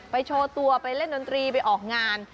โชว์ตัวไปเล่นดนตรีไปออกงาน